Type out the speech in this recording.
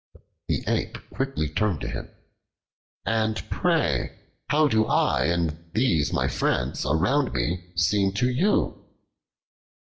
The Ape quickly turned to him. "And pray how do I and these my friends around me seem to you?"